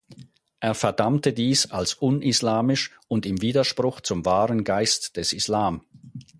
Er verdammte dies als unislamisch und im Widerspruch zum wahren Geist des Islam.